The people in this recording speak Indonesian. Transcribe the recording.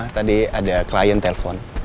tadi ada klien telpon